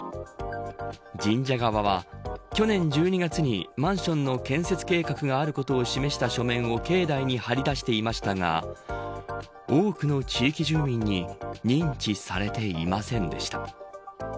神社側は去年１２月にマンションの建設計画があることを示した書面を境内に張り出していましたが多くの地域住民に認知されていませんでした。